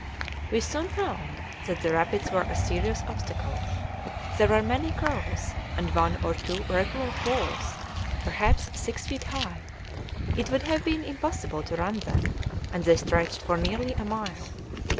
We soon found that the rapids were a serious obstacle. There were many curls, and one or two regular falls, perhaps six feet high. It would have been impossible to run them, and they stretched for nearly a mile.